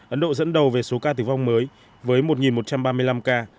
ấn độ dẫn đầu về số ca tử vong mới với một một trăm ba mươi năm ca